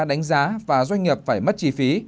đánh giá và doanh nghiệp phải mất chi phí